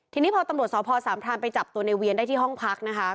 ทีนี้พอตำรวจสพสามพรานไปจับตัวในเวียนได้ที่ห้องพักนะคะ